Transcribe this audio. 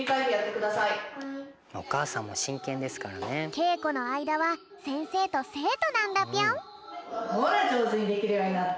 けいこのあいだはせんせいとせいとなんだぴょん。